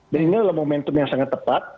dan ini adalah momentum yang sangat tepat